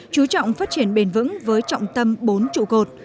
chú trọng phát triển bền vững với trọng tâm bốn trụ cột